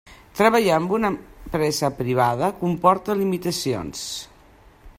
Treballar amb una empresa privada comporta limitacions.